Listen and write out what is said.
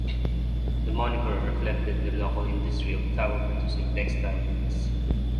The moniker reflected the local industry of towel–producing textile mills.